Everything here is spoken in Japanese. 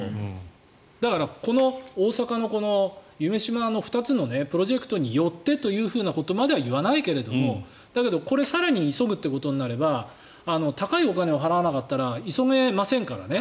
だから大阪のこの夢洲の２つのプロジェクトによってということまでは言わないけれどもだけども、これ更に急ぐとなれば高いお金を払わなかったら急げませんからね。